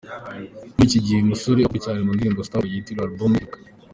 Muri iki gihe uyu musore akunzwe cyane mu ndirimbo ’Starboy’ yitiriye album ye iheruka.